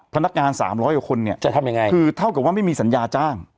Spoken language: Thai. พนักงานสามร้อยกว่าคนเนี่ยจะทำยังไงคือเท่ากับว่าไม่มีสัญญาจ้าง